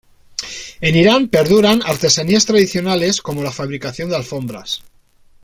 En Irán perduran artesanías tradicionales, como la fabricación de alfombras.